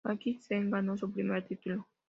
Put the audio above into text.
Jackie Stewart ganó su primer título.